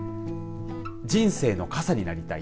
人生の傘になりたい。